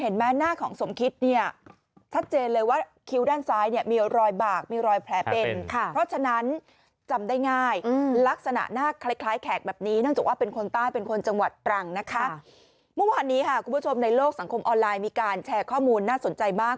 ในโลกสังคมออนไลน์มีการแชร์ข้อมูลน่ะสนใจมาก